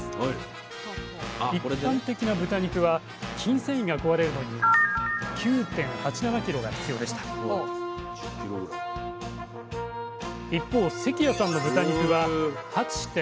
一般的な豚肉は筋線維が壊れるのに９．８７ｋｇが必要でした一方関谷さんの豚肉は８．７７ｋｇ。